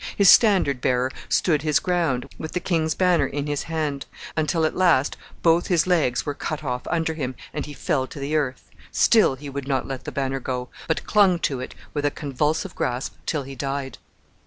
His standard bearer stood his ground, with the king's banner in his hand, until at last both his legs were cut off under him, and he fell to the earth; still he would not let the banner go, but clung to it with a convulsive grasp till he died.